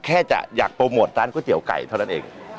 แค่จะอยากโปรโมทร้านก๋วยเตี๋ยวไก่เท่านั้นเอง